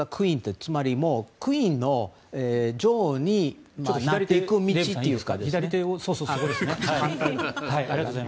つまりクイーンの女王になっていく道というか。